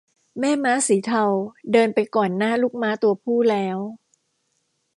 แม่ม้าสีเทาเดินไปก่อนหน้าลูกม้าตัวผู้แล้ว